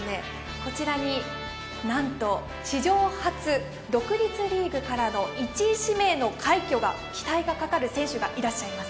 こちらに、なんと史上初独立リーグからの１位指名の快挙が、期待がかかる選手がいらっしゃいます。